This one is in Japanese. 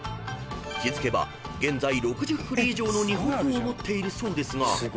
［気付けば現在６０振り以上の日本刀を持っているそうですが］